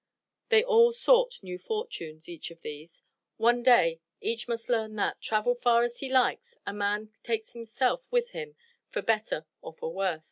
They all sought new fortunes, each of these. One day each must learn that, travel far as he likes, a man takes himself with him for better or for worse.